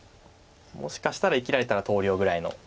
もしかしたら生きられたら投了ぐらいのつもりで。